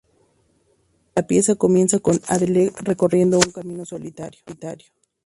La pieza comienza con Adele recorriendo un camino solitario.